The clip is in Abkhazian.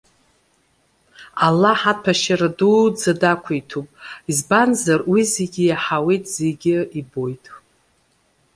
Аллаҳ аҭәашьара дуӡӡа дақәиҭуп, избанзар, уи зегьы иаҳауеит, зегьы ибоит.